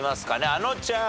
あのちゃん。